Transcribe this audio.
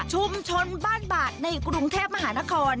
ชุมชนบ้านบาดในกรุงเทพมหานคร